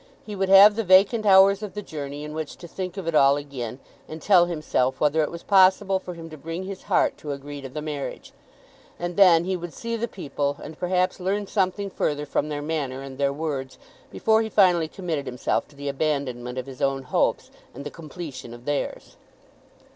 He would have the vacant hours of the journey in which to think of it all again, and tell himself whether it was possible for him to bring his heart to agree to the marriage; and then he would see the people, and perhaps learn something further from their manner and their words, before he finally committed himself to the abandonment of his own hopes and the completion of theirs.